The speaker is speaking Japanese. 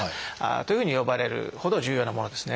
というふうに呼ばれるほど重要なものですね。